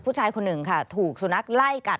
ผู้ชายคนหนึ่งค่ะถูกสุนัขไล่กัด